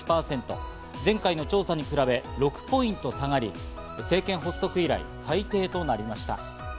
前回の調査に比べ、６ポイント下がり政権発足以来最低となりました。